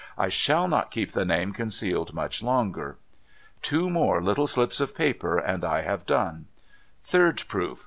* I shall not keep the name concealed much longer. Two more little slips of paper, and I have done. Third proof